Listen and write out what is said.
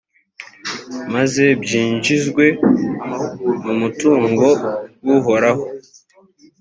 maze byinjizwe mu mutungo w’uhoraho.